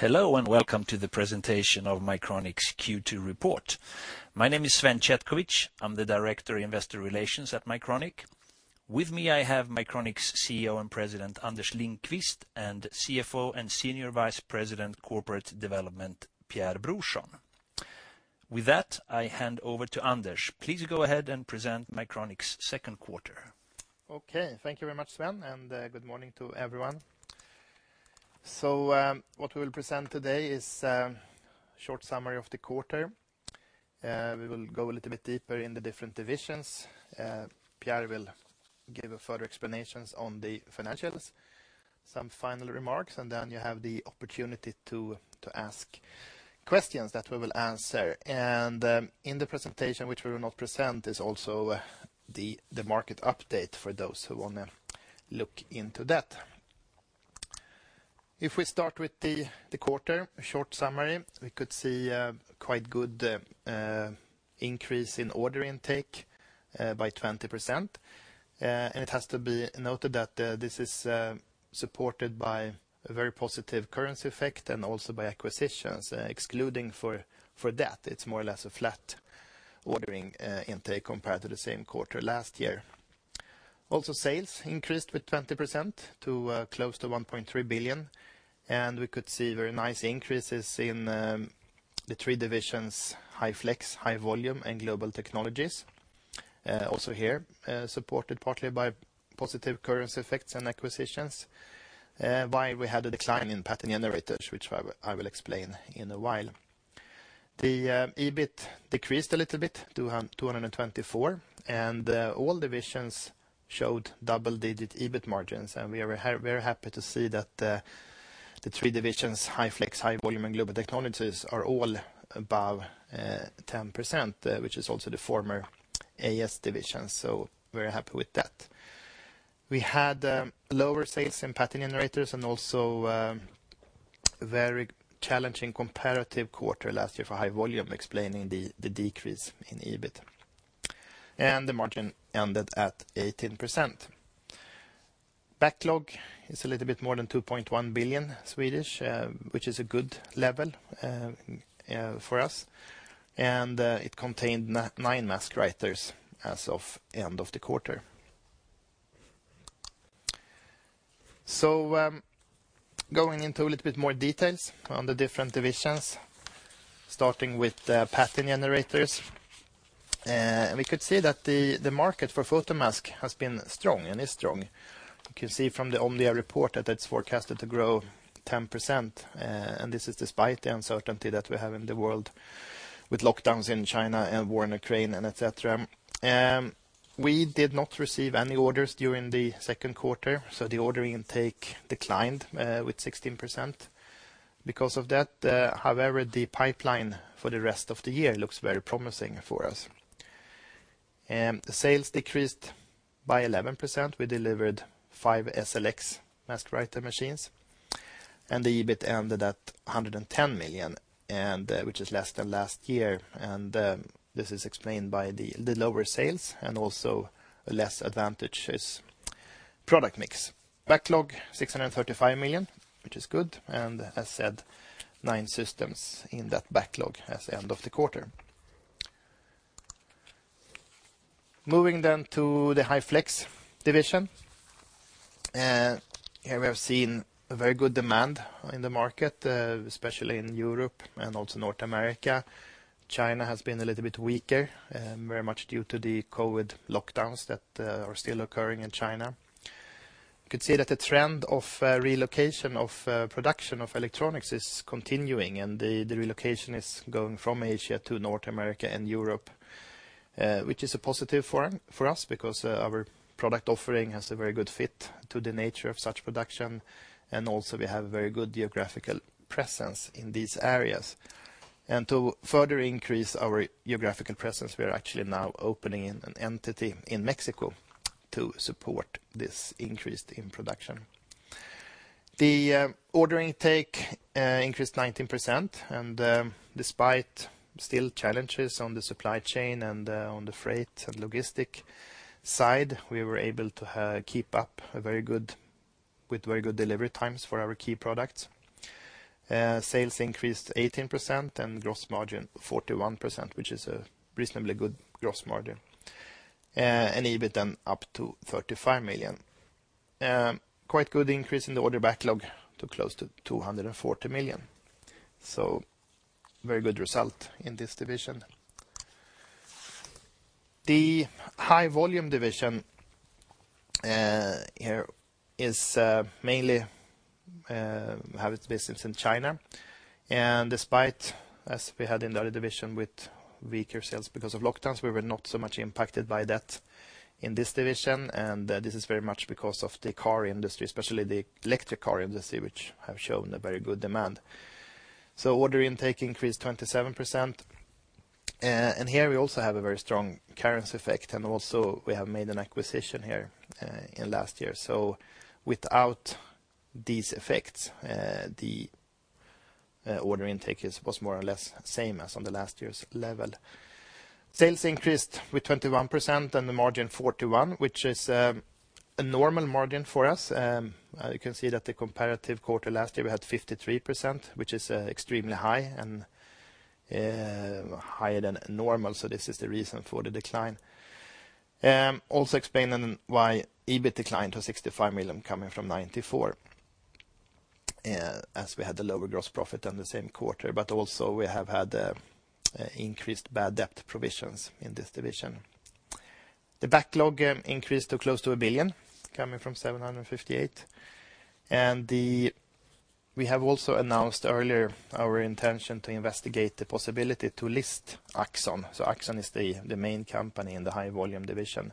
Hello, and welcome to the presentation of Mycronic's Q2 report. My name is Sven Chetkovich. I'm the Director, Investor Relations at Mycronic. With me, I have Mycronic's CEO and President, Anders Lindqvist, and CFO and Senior Vice President, Corporate Development, Pierre Brorsson. With that, I hand over to Anders. Please go ahead and present Mycronic's second quarter. Okay. Thank you very much, Sven, and good morning to everyone. What we will present today is short summary of the quarter. We will go a little bit deeper in the different divisions. Pierre will give further explanations on the financials, some final remarks, and then you have the opportunity to ask questions that we will answer. In the presentation, which we will not present, is also the market update for those who wanna look into that. If we start with the quarter, a short summary, we could see a quite good increase in order intake by 20%. It has to be noted that this is supported by a very positive currency effect and also by acquisitions. Excluding for that, it's more or less a flat ordering intake compared to the same quarter last year. Sales increased with 20% to close to 1.3 billion, and we could see very nice increases in the three divisions, High Flex, High Volume, and Global Technologies. Also here, supported partly by positive currency effects and acquisitions, while we had a decline in Pattern Generators, which I will explain in a while. EBIT decreased a little bit to 224 million, and all divisions showed double-digit EBIT margins. We are, very happy to see that the three divisions, High Flex, High Volume, and Global Technologies, are all above 10%, which is also the former AS division. Very happy with that. We had lower sales in Pattern Generators and also very challenging comparative quarter last year for High Volume, explaining the decrease in EBIT. The margin ended at 18%. Backlog is a little bit more than 2.1 billion, which is a good level for us. It contained nine mask writers as of end of the quarter. Going into a little bit more details on the different divisions, starting with the Pattern Generators. We could see that the market for photomask has been strong and is strong. You can see from the Omdia report that it's forecasted to grow 10%, and this is despite the uncertainty that we have in the world with lockdowns in China and war in Ukraine and et cetera. We did not receive any orders during the second quarter, so the order intake declined with 16%. Because of that, however, the pipeline for the rest of the year looks very promising for us. The sales decreased by 11%. We delivered 5 SLX mask writer machines, and the EBIT ended at 110 million, which is less than last year. This is explained by the lower sales and also a less advantageous product mix. Backlog 635 million, which is good, and as said, nine systems in that backlog at the end of the quarter. Moving then to the High Flex division. Here we have seen a very good demand in the market, especially in Europe and also North America. China has been a little bit weaker, very much due to the COVID lockdowns that are still occurring in China. You could see that the trend of relocation of production of electronics is continuing, and the relocation is going from Asia to North America and Europe, which is a positive for us because our product offering has a very good fit to the nature of such production, and also we have very good geographical presence in these areas. To further increase our geographical presence, we are actually now opening an entity in Mexico to support this increase in production. The order intake increased 19%, and despite still challenges on the supply chain and on the freight and logistic side, we were able to keep up with very good delivery times for our key products. Sales increased 18% and gross margin 41%, which is a reasonably good gross margin. EBIT up to 45 million. Quite good increase in the order backlog to close to 240 million. Very good result in this division. The High Volume division here is mainly have its business in China. Despite, as we had in the other division with weaker sales because of lockdowns, we were not so much impacted by that in this division. This is very much because of the car industry, especially the electric car industry, which have shown a very good demand. Order intake increased 27%. Here we also have a very strong currency effect, and also we have made an acquisition here, in last year. Without these effects, the order intake was more or less same as on the last year's level. Sales increased with 21% and the margin 41%, which is a normal margin for us. You can see that the comparative quarter last year we had 53%, which is extremely high and higher than normal. This is the reason for the decline. Also explaining why EBIT declined to 65 million coming from 94 million, as we had the lower gross profit in the same quarter, but also we have had increased bad debt provisions in this division. The backlog increased to close to 1 billion coming from 758 million. We have also announced earlier our intention to investigate the possibility to list Axxon. Axxon is the main company in the High Volume division.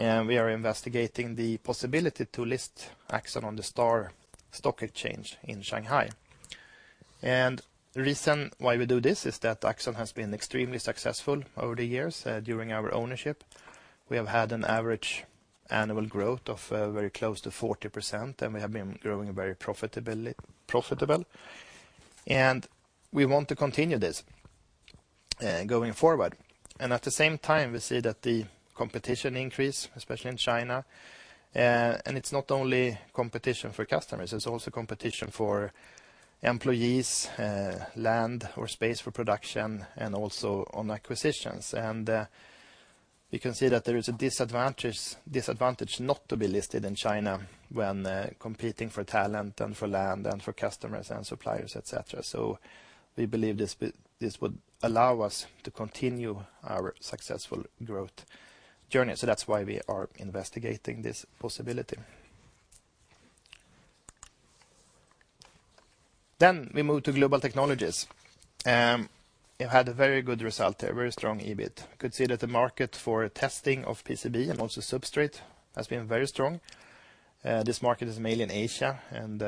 We are investigating the possibility to list Axxon on the stock exchange in Shanghai. The reason why we do this is that Axxon has been extremely successful over the years during our ownership. We have had an average annual growth of very close to 40%, and we have been growing very profitable. We want to continue this going forward. At the same time, we see that the competition increase, especially in China. It's not only competition for customers, it's also competition for employees, land or space for production and also on acquisitions. You can see that there is a disadvantage not to be listed in China when competing for talent and for land and for customers and suppliers, et cetera. We believe this would allow us to continue our successful growth journey. That's why we are investigating this possibility. We move to Global Technologies. It had a very good result there, a very strong EBIT. You could see that the market for testing of PCB and also substrate has been very strong. This market is mainly in Asia and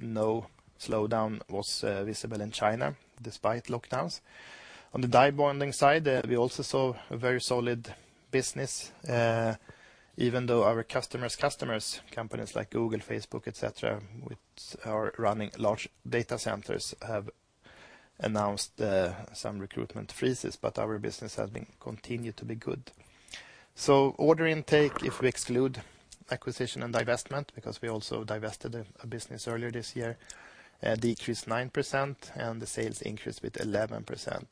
no slowdown was visible in China despite lockdowns. On the die bonding side, we also saw a very solid business, even though our customers, companies like Google, Facebook, et cetera, which are running large data centers, have announced some recruitment freezes, but our business has been continued to be good. Order intake, if we exclude acquisition and divestment, because we also divested a business earlier this year, decreased 9%, and the sales increased with 11%.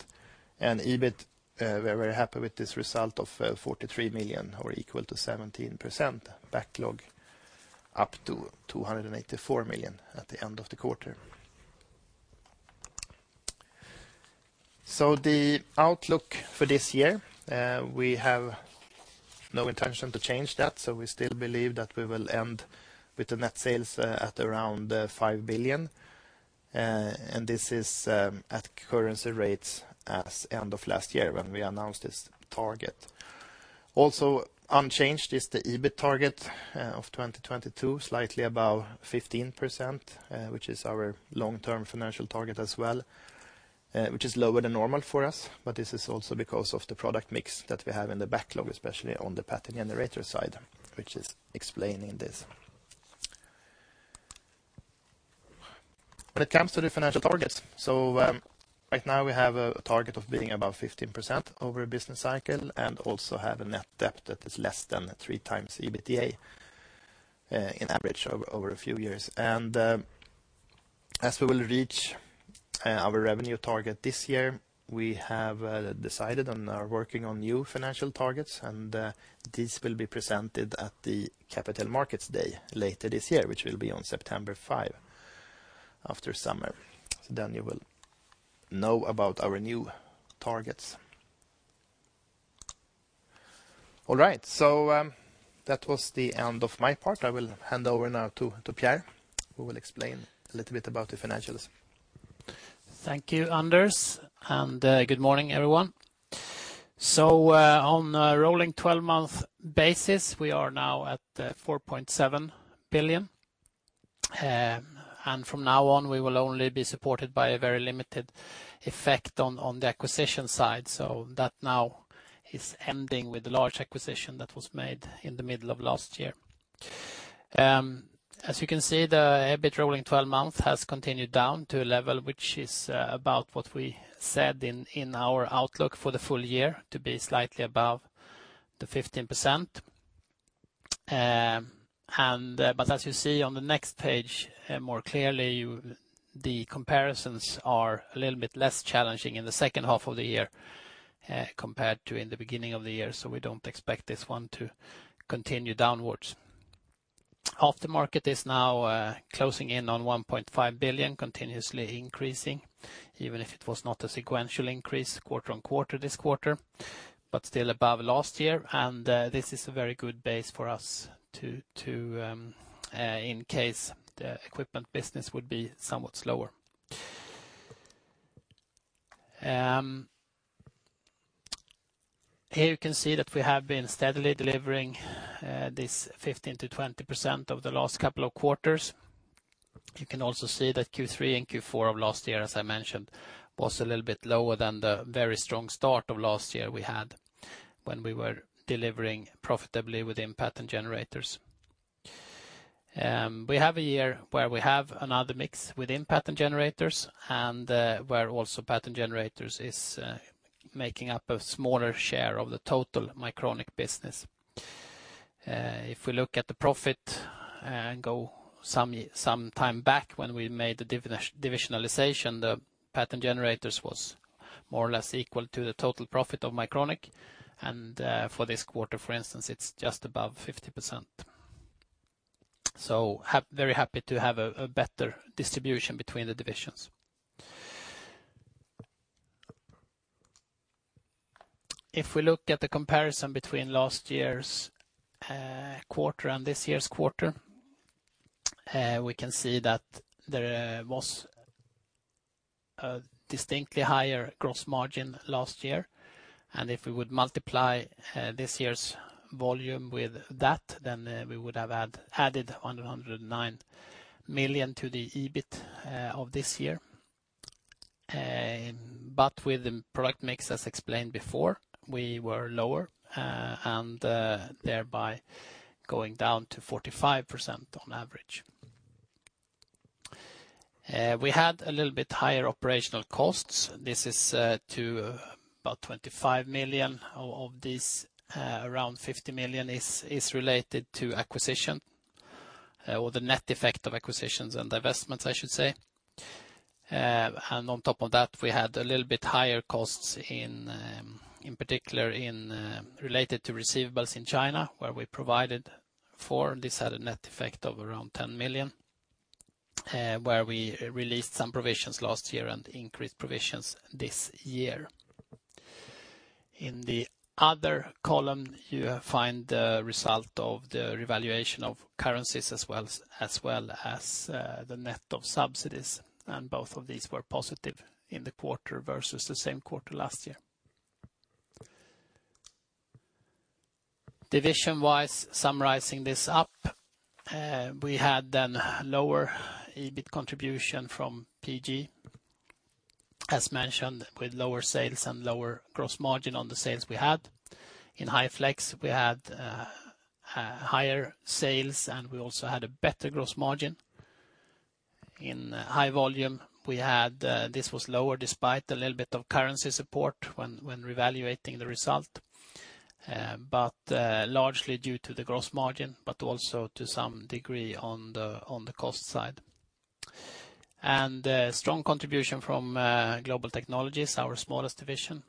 EBIT, we're very happy with this result of 43 million or equal to 17% backlog up to 284 million at the end of the quarter. The outlook for this year, we have no intention to change that. We still believe that we will end with the net sales at around 5 billion. This is at currency rates as end of last year when we announced this target. Also unchanged is the EBIT target of 2022, slightly above 15%, which is our long-term financial target as well, which is lower than normal for us. This is also because of the product mix that we have in the backlog, especially on the Pattern Generators side, which is explaining this. When it comes to the financial targets, right now we have a target of being above 15% over a business cycle and also have a net debt that is less than three times EBITDA, on average over a few years. As we will reach our revenue target this year, we have decided and are working on new financial targets, and this will be presented at the Capital Markets Day later this year, which will be on September 5 after summer. You will know about our new targets. All right, that was the end of my part. I will hand over now to Pierre, who will explain a little bit about the financials. Thank you, Anders, and good morning, everyone. On a rolling 12-month basis, we are now at 4.7 billion. From now on, we will only be supported by a very limited effect on the acquisition side. That now is ending with the large acquisition that was made in the middle of last year. As you can see, the EBIT rolling 12-month has continued down to a level which is about what we said in our outlook for the full year to be slightly above the 15%. As you see on the next page, more clearly, the comparisons are a little bit less challenging in the second half of the year, compared to in the beginning of the year. We don't expect this one to continue downwards. Aftermarket is now closing in on 1.5 billion, continuously increasing, even if it was not a sequential increase quarter-over-quarter this quarter, but still above last year. This is a very good base for us to in case the equipment business would be somewhat slower. Here you can see that we have been steadily delivering this 15%-20% over the last couple of quarters. You can also see that Q3 and Q4 of last year, as I mentioned, was a little bit lower than the very strong start of last year we had when we were delivering profitably within Pattern Generators. We have a year where we have another mix within Pattern Generators and where also Pattern Generators is making up a smaller share of the total Mycronic business. If we look at the profit and go some time back when we made the divisionalization, the Pattern Generators was more or less equal to the total profit of Mycronic, and for this quarter, for instance, it's just above 50%. Very happy to have a better distribution between the divisions. If we look at the comparison between last year's quarter and this year's quarter, we can see that there was a distinctly higher gross margin last year, and if we would multiply this year's volume with that, then we would have added 109 million to the EBIT of this year. With the product mix, as explained before, we were lower, and thereby going down to 45% on average. We had a little bit higher operational costs. This is to about 25 million of these. Around 50 million is related to acquisition or the net effect of acquisitions and divestments I should say. On top of that, we had a little bit higher costs in particular in related to receivables in China, where we provided for this had a net effect of around 10 million, where we released some provisions last year and increased provisions this year. In the other column, you find the result of the revaluation of currencies as well as the net of subsidies, and both of these were positive in the quarter versus the same quarter last year. Division-wise, summarizing this up, we had then lower EBIT contribution from PG, as mentioned, with lower sales and lower gross margin on the sales we had. In High Flex, we had higher sales, and we also had a better gross margin. In High Volume, we had this was lower despite a little bit of currency support when revaluing the result, but largely due to the gross margin, but also to some degree on the cost side. A strong contribution from Global Technologies, our smallest division,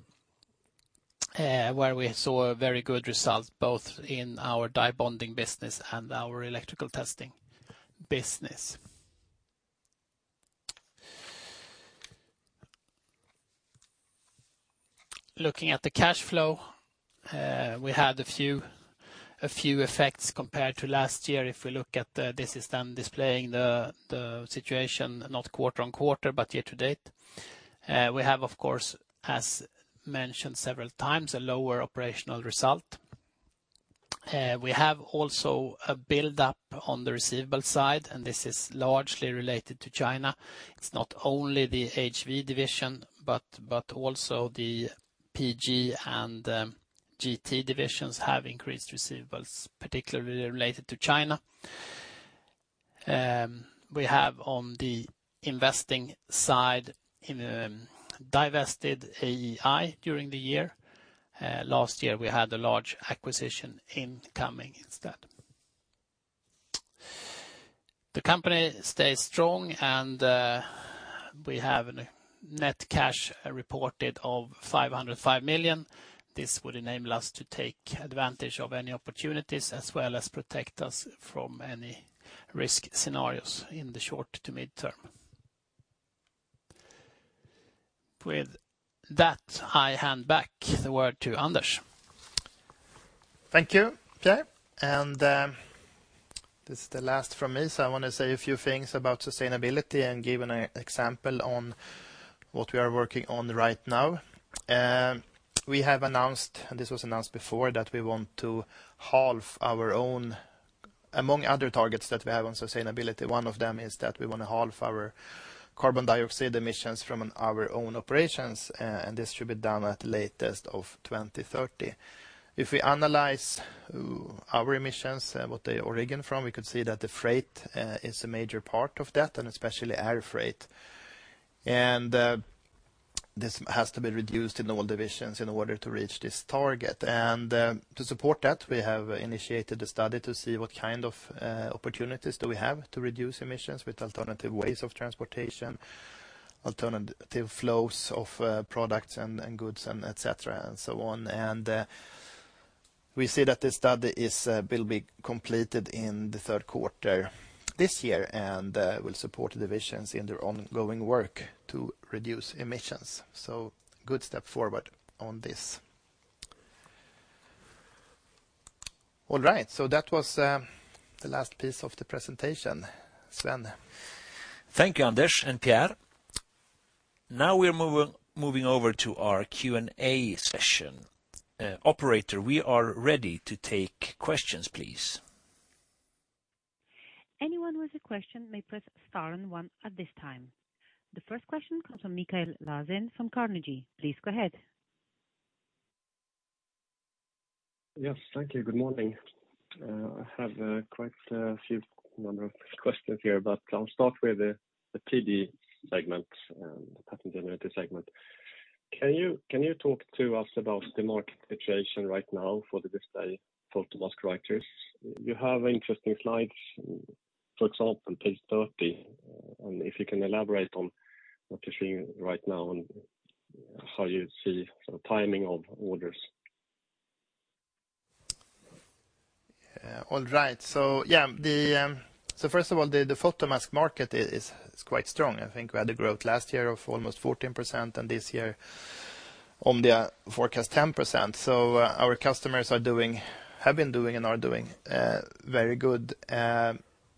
where we saw a very good result both in our die bonding business and our electrical testing business. Looking at the cash flow, we had a few effects compared to last year. If we look at this is then displaying the situation, not quarter-on-quarter, but year-to-date. We have, of course, as mentioned several times, a lower operational result. We have also a build-up on the receivable side, and this is largely related to China. It's not only the HV division, but also the PG and GT divisions have increased receivables, particularly related to China. We have on the investing side, divested AEI during the year. Last year we had a large acquisition incoming instead. The company stays strong and we have a net cash reported of 505 million. This would enable us to take advantage of any opportunities as well as protect us from any risk scenarios in the short to mid-term. With that, I hand back the word to Anders. Thank you, okay. This is the last from me, so I want to say a few things about sustainability and give an example on what we are working on right now. We have announced, and this was announced before, among other targets that we have on sustainability, one of them is that we want to halve our carbon dioxide emissions from our own operations, and this should be done at the latest by 2030. If we analyze our emissions, what they originate from, we could see that the freight is a major part of that, and especially air freight. This has to be reduced in all divisions in order to reach this target. To support that, we have initiated a study to see what kind of opportunities do we have to reduce emissions with alternative ways of transportation, alternative flows of products and goods and et cetera and so on. We see that the study will be completed in the third quarter this year and will support the divisions in their ongoing work to reduce emissions. Good step forward on this. All right, so that was the last piece of the presentation, Sven. Thank you, Anders and Pierre. Now we're moving over to our Q&A session. Operator, we are ready to take questions, please. Anyone with a question may press star one at this time. The first question comes from Mikael Laséen from Carnegie. Please go ahead. Yes, thank you. Good morning. I have quite a few number of questions here, but I'll start with the PG segment, the Pattern Generator segment. Can you talk to us about the market situation right now for the display photomask writers? You have interesting slides, for example, page 30. If you can elaborate on what you're seeing right now and how you see the timing of orders. All right. Yeah, first of all, the photomask market is quite strong. I think we had a growth last year of almost 14%, and this year on the forecast, 10%. Our customers have been doing and are doing very good.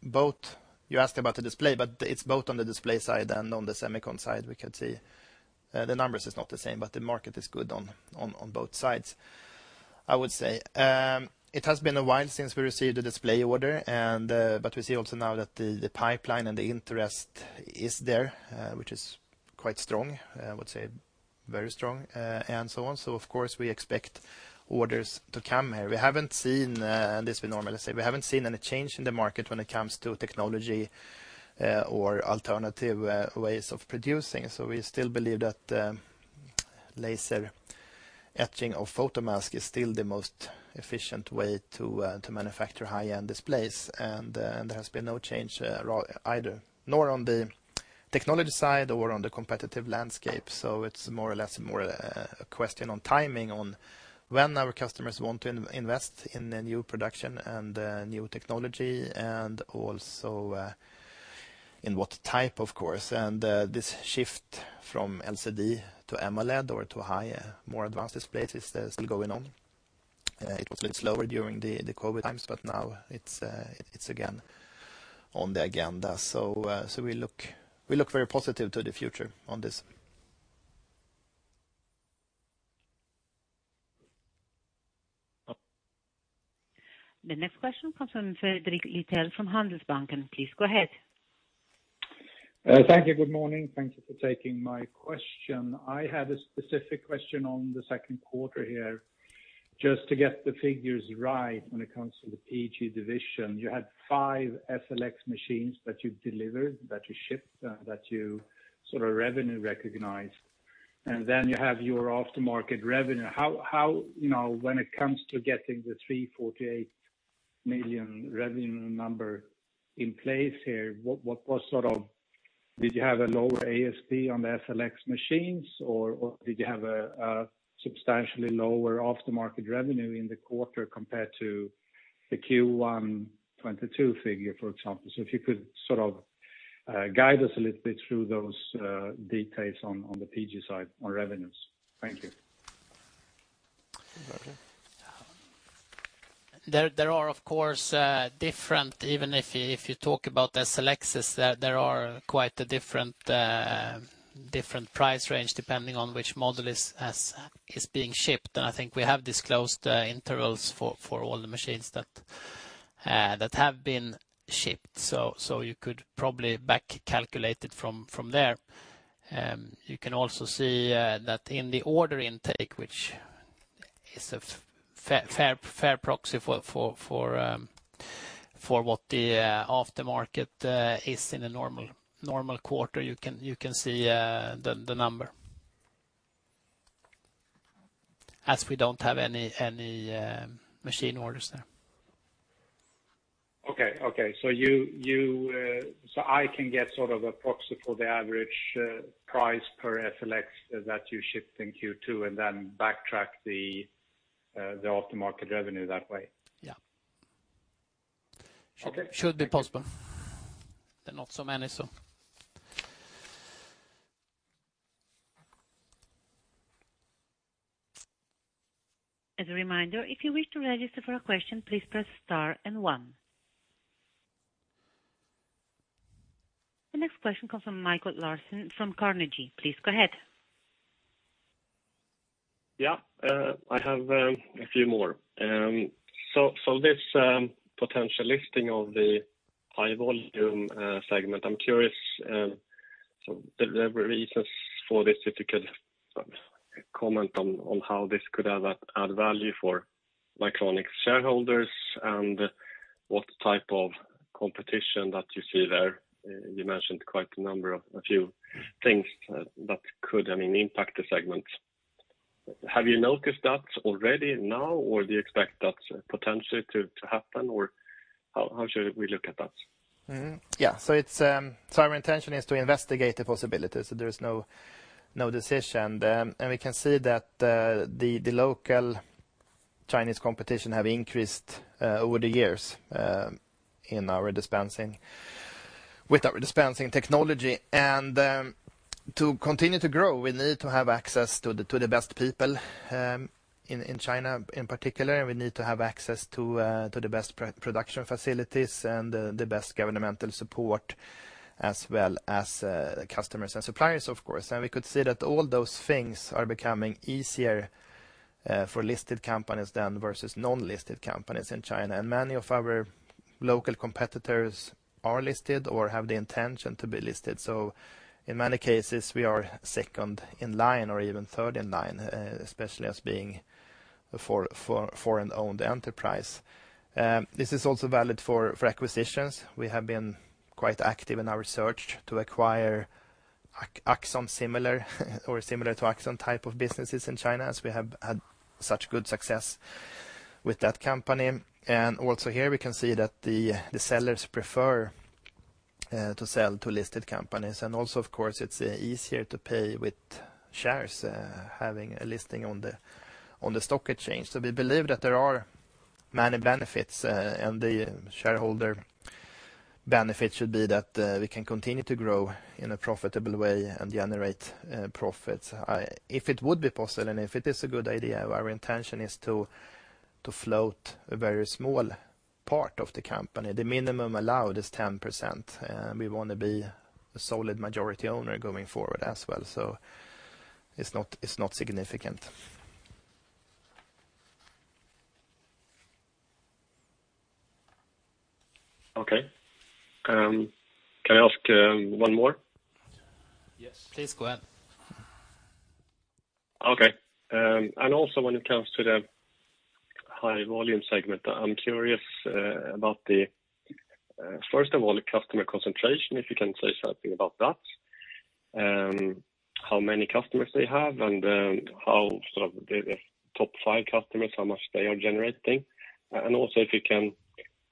Both, you asked about the display, but it's both on the display side and on the semicon side, we could see. The numbers is not the same, but the market is good on both sides, I would say. It has been a while since we received a display order, but we see also now that the pipeline and the interest is there, which is quite strong. I would say very strong, and so on. Of course, we expect orders to come here. We haven't seen any change in the market when it comes to technology or alternative ways of producing. We still believe that laser writing of photomask is still the most efficient way to manufacture high-end displays. There has been no change either nor on the technology side or on the competitive landscape. It's more or less a question on timing on when our customers want to invest in a new production and new technology, and also in what type, of course. This shift from LCD to AMOLED or to high, more advanced displays is still going on. It was a little slower during the COVID times, but now it's again on the agenda. We look very positive to the future on this. The next question comes from Fredrik Lithell from Handelsbanken. Please go ahead. Thank you. Good morning. Thank you for taking my question. I have a specific question on the second quarter here. Just to get the figures right when it comes to the PG division, you had five SLX machines that you delivered, that you shipped, that you sort of revenue recognized. And then you have your aftermarket revenue. How, you know, when it comes to getting the 348 million revenue number in place here, what was sort of... Did you have a lower ASP on the SLX machines, or did you have a substantially lower aftermarket revenue in the quarter compared to the Q1 2022 figure, for example? If you could sort of guide us a little bit through those details on the PG side on revenues. Thank you. Okay. There are, of course, differences even if you talk about the SLXs. There are quite a different price range, depending on which model is being shipped. I think we have disclosed intervals for all the machines that have been shipped. You could probably back calculate it from there. You can also see that in the order intake, which is a fair proxy for what the aftermarket is in a normal quarter, you can see the number. As we don't have any machine orders there. Okay. I can get sort of a proxy for the average price per SLX that you shipped in Q2, and then backtrack the aftermarket revenue that way? Yeah. Okay. Should be possible. They're not so many, so. As a reminder, if you wish to register for a question, please press star and one. The next question comes from Mikael Laséen from Carnegie. Please go ahead. Yeah, I have a few more. This potential listing of the High Volume segment, I'm curious, so the reasons for this, if you could comment on how this could add value for Mycronic shareholders and what type of competition that you see there. You mentioned quite a number of a few things that could, I mean, impact the segment. Have you noticed that already now, or do you expect that potentially to happen, or how should we look at that? Our intention is to investigate the possibility. There is no decision. We can see that the local Chinese competition have increased over the years in our dispensing with our dispensing technology. To continue to grow, we need to have access to the best people in China, in particular. We need to have access to the best production facilities and the best governmental support as well as customers and suppliers, of course. We could see that all those things are becoming easier for listed companies than for non-listed companies in China. Many of our local competitors are listed or have the intention to be listed. In many cases, we are second in line or even third in line, especially as being a foreign owned enterprise. This is also valid for acquisitions. We have been quite active in our search to acquire Axxon similar or similar to Axxon type of businesses in China, as we have had such good success with that company. Here we can see that the sellers prefer to sell to listed companies. Of course, it's easier to pay with shares, having a listing on the stock exchange. We believe that there are many benefits, and the shareholder benefit should be that we can continue to grow in a profitable way and generate profits. If it would be possible, and if it is a good idea, our intention is to float a very small part of the company. The minimum allowed is 10%, and we want to be a solid majority owner going forward as well. It's not significant. Okay. Can I ask one more? Yes. Please go ahead. Okay. When it comes to the High Volume segment, I'm curious about the first of all, the customer concentration, if you can say something about that, how many customers they have and how, sort of, the top five customers, how much they are generating. If you can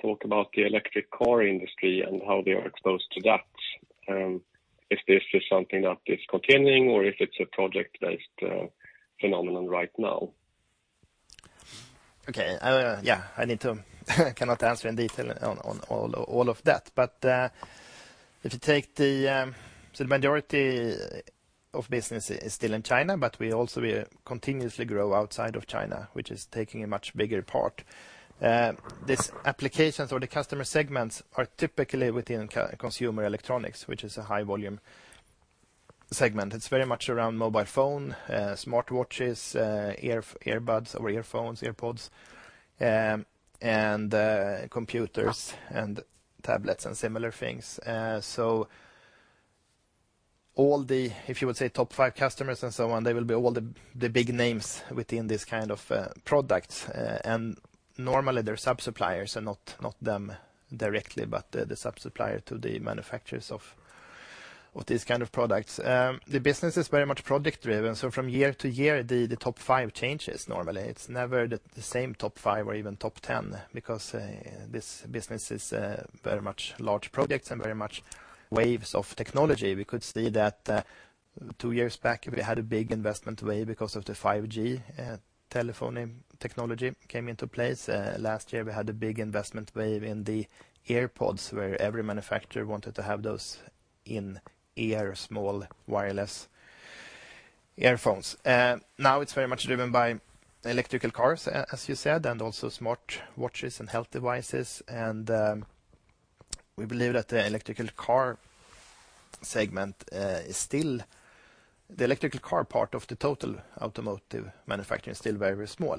talk about the electric car industry and how they are exposed to that, if this is something that is continuing or if it's a project-based phenomenon right now. I cannot answer in detail on all of that. If you take the majority of business is still in China, but we also continuously grow outside of China, which is taking a much bigger part. These applications for the customer segments are typically within consumer electronics, which is a high volume segment. It's very much around mobile phone, smartwatches, earbuds or earphones, AirPods, and computers and tablets and similar things. All the, if you would say top five customers and so on, they will be all the big names within this kind of products. Normally, they're sub-suppliers and not them directly, but the sub-supplier to the manufacturers of these kind of products. The business is very much product-driven, so from year to year, the top five changes normally. It's never the same top five or even top 10 because this business is very much large products and very much waves of technology. We could see that two years back, we had a big investment wave because of the 5G telephony technology came into place. Last year, we had a big investment wave in the AirPods, where every manufacturer wanted to have those in-ear small wireless earphones. Now it's very much driven by electric cars, as you said, and also smart watches and health devices. We believe that the electric car segment is still the electric car part of the total automotive manufacturing is still very small.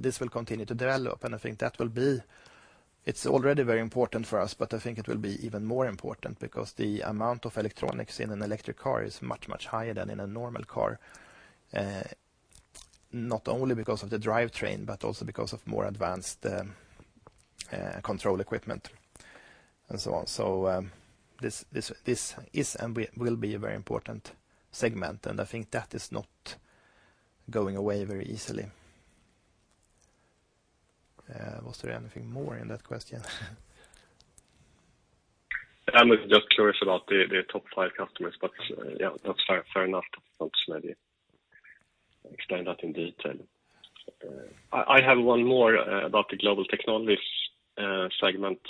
This will continue to develop. I think that will be. It's already very important for us, but I think it will be even more important because the amount of electronics in an electric car is much, much higher than in a normal car, not only because of the drivetrain, but also because of more advanced control equipment, and so on. This is and will be a very important segment, and I think that is not going away very easily. Was there anything more in that question? I'm just curious about the top five customers, but yeah, that's fair enough. Not ready to explain that in detail. I have one more about the Global Technologies segment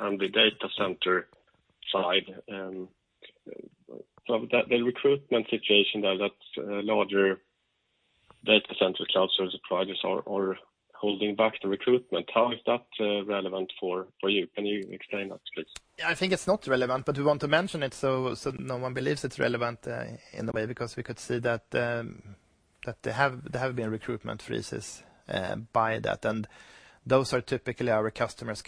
and the data center side. The recruitment situation there that larger data center cloud service providers are holding back the recruitment. How is that relevant for you? Can you explain that, please? I think it's not relevant, but we want to mention it so no one believes it's relevant, in a way, because we could see that there have been recruitment freezes by that. Those are typically our customers.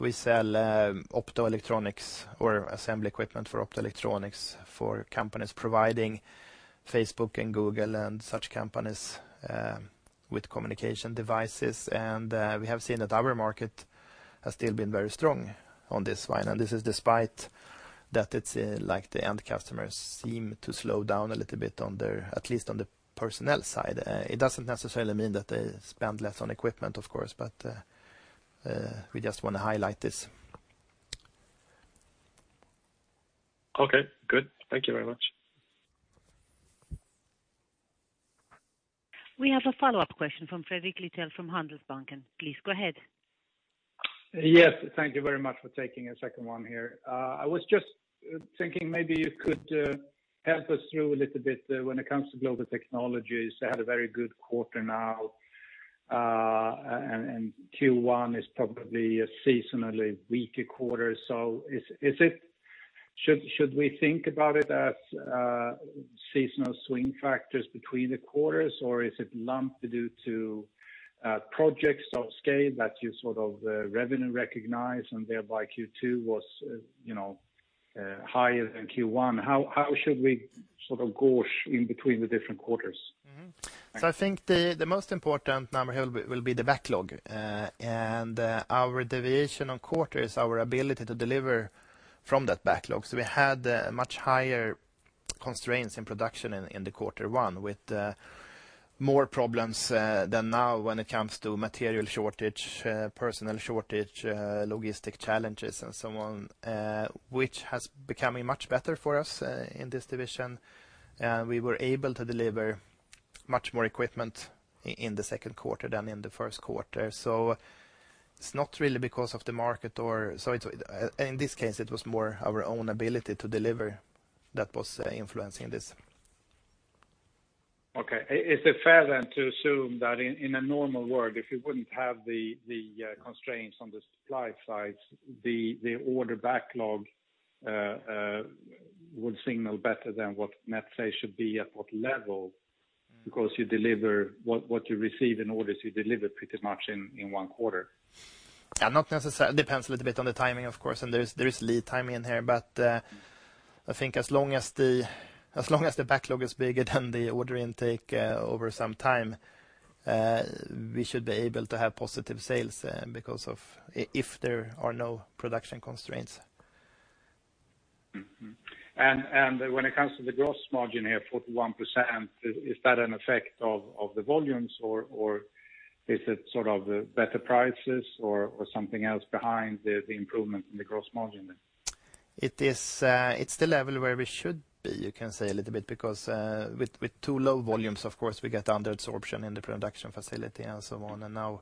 We sell optoelectronics or assembly equipment for optoelectronics for companies providing Facebook and Google and such companies with communication devices. We have seen that our market has still been very strong on this one. This is despite that it's like the end customers seem to slow down a little bit on their, at least on the personnel side. It doesn't necessarily mean that they spend less on equipment, of course, but we just want to highlight this. Okay, good. Thank you very much. We have a follow-up question from Fredrik Lithell from Handelsbanken. Please go ahead. Yes. Thank you very much for taking a second one here. I was just thinking maybe you could help us through a little bit when it comes to Global Technologies. They had a very good quarter now, and Q1 is probably a seasonally weaker quarter. Is it? Should we think about it as seasonal swing factors between the quarters or is it lumped due to projects of scale that you sort of revenue recognize and thereby Q2 was, you know, higher than Q1? How should we sort of gauge in between the different quarters? I think the most important number here will be the backlog. Our deviation on quarter is our ability to deliver from that backlog. We had much higher constraints in production in the quarter one with more problems than now when it comes to material shortage, personnel shortage, logistic challenges and so on, which has becoming much better for us in this division. We were able to deliver much more equipment in the second quarter than in the first quarter. It's not really because of the market. In this case, it was more our own ability to deliver that was influencing this. Okay. Is it fair to assume that in a normal world, if you wouldn't have the constraints on the supply side, the order backlog would signal better than what net sales should be at what level, because you deliver what you receive in orders, you deliver pretty much in one quarter? Not necessarily. Depends a little bit on the timing, of course, and there is lead timing in here. I think as long as the backlog is bigger than the order intake over some time, we should be able to have positive sales because if there are no production constraints. When it comes to the gross margin here, 41%, is that an effect of the volumes or is it sort of better prices or something else behind the improvement in the gross margin then? It is, it's the level where we should be, you can say a little bit, because with too low volumes, of course, we get under absorption in the production facility and so on.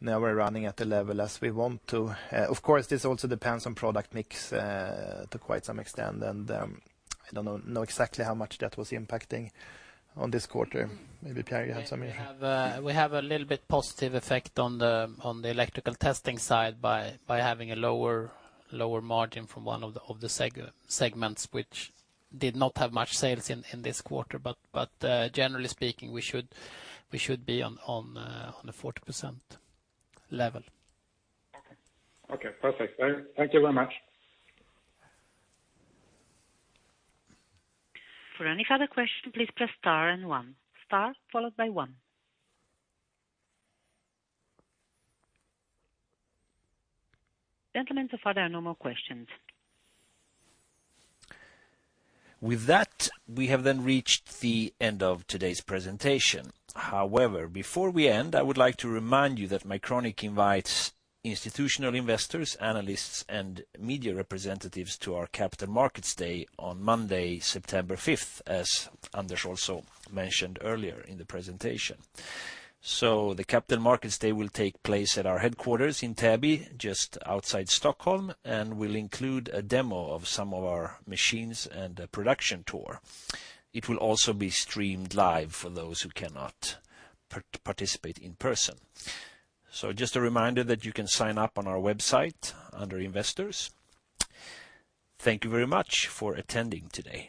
Now we're running at the level as we want to. Of course, this also depends on product mix, to quite some extent. I don't know exactly how much that was impacting on this quarter. Maybe, Pierre, you have some idea. We have a little bit positive effect on the electrical testing side by having a lower margin from one of the segments which did not have much sales in this quarter. Generally speaking, we should be on the 40% level. Okay. Okay, perfect. Thank you very much. For any further question, please press star and one. Star followed by one. Gentlemen, so far there are no more questions. With that, we have then reached the end of today's presentation. However, before we end, I would like to remind you that Mycronic invites institutional investors, analysts, and media representatives to our Capital Markets Day on Monday, September 5th, as Anders also mentioned earlier in the presentation. The Capital Markets Day will take place at our headquarters in Täby, just outside Stockholm, and will include a demo of some of our machines and a production tour. It will also be streamed live for those who cannot participate in person. Just a reminder that you can sign up on our website under Investors. Thank you very much for attending today.